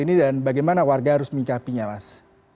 saat ini dan bagaimana warga harus mencapinya mas